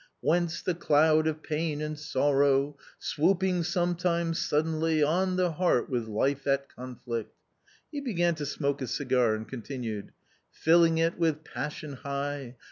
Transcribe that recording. " Whence the cloud of pain and sorrow Swooping sometimes suddenly On the heart with life at conflict/ 1 He began to smoke a cigar and continued :—" Filling it with passion high.